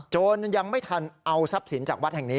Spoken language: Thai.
จนยังไม่ทันเอาทรัพย์สินจากวัดแห่งนี้